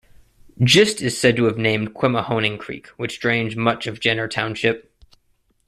Gist is said to have named Quemahoning Creek, which drains much of Jenner Township.